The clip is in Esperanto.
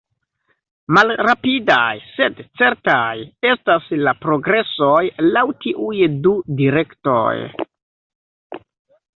Malrapidaj, sed certaj, estas la progresoj, laŭ tiuj du direktoj.